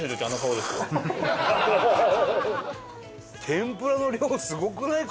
天ぷらの量すごくない？